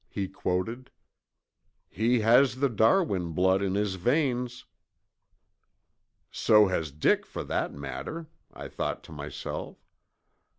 '" he quoted. "He has the Darwin blood in his veins." "So has Dick for that matter," I thought to myself.